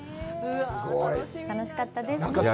楽しかったです。